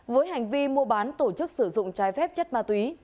với hành vi mua bán tổ chức sử dụng trái phép chất ma túy